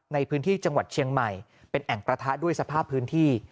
ในพื้นที่จังหวัดเชียงใหม่เป็นแอ่งกระทะด้วยสภาพพื้นที่